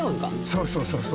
そうそうそう。